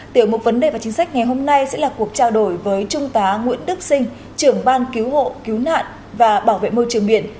tiểu mục vấn đề và chính sách ngày hôm nay sẽ là cuộc trao đổi với trung tá nguyễn đức sinh trưởng ban cứu hộ cứu nạn và bảo vệ môi trường biển